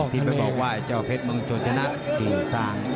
พี่ไปบอกว่าเจ้าเพชรมังโจจนะกี่สัง